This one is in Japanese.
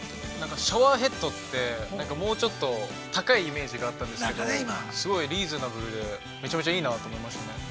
◆シャワーヘッドって、もうちょっと高いイメージがあったんですけど、すごいリーズナブルでめちゃめちゃいいなと思いました。